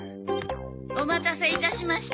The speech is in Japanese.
お待たせいたしました。